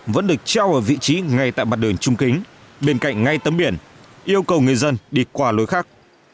vẫn được treo ở vị trí ngay tại mặt đường trung kính bên cạnh ngay tấm biển yêu cầu người dân đi qua lối khác